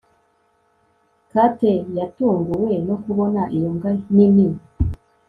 Kate yatunguwe no kubona iyo mbwa nini